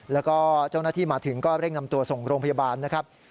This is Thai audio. แล้วก็เจ้าหน้าที่มาถึงก็เร่งนำตัวส่งโรงพยาบาลนะครับ